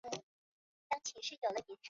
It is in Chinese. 蒙特福尔河畔伊勒维尔。